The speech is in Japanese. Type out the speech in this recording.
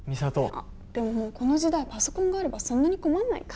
あっでももうこの時代パソコンがあればそんなに困んないか。